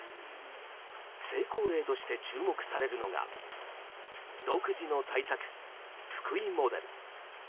成功例として注目されるのが独自の対策、福井モデル。